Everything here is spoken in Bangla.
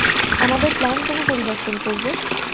আমাদের প্ল্যান কেন পরিবর্তন করব?